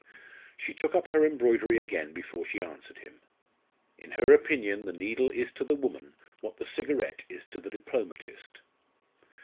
She took up her embroidery again before she answered him. In her opinion the needle is to the woman what the cigarette is to the diplomatist.